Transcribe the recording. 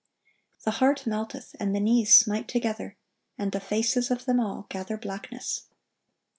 "The heart melteth, and the knees smite together," "and the faces of them all gather blackness."